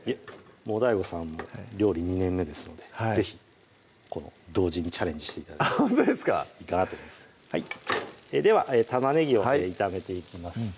もうＤＡＩＧＯさんも料理２年目ですので是非同時にチャレンジして頂いてほんとですかでは玉ねぎを炒めていきます